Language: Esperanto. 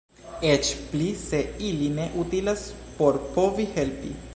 Eĉ pli se ili ne utilas por povi helpi.